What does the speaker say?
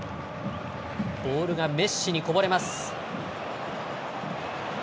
ボールがメッシにこぼれます。